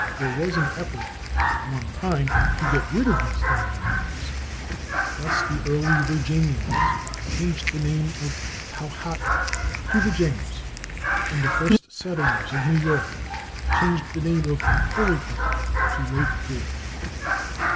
There was an effort, at one time, to get rid of these Indian names. Thus [Pg290] the early Virginians changed the name of the /Powhatan/ to the /James/, and the first settlers in New York changed the name of /Horicon/ to /Lake George